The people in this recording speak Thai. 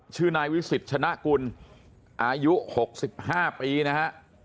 ชื่อนายวิสิตชนะกุลอายุ๖๕ปีนะฮะ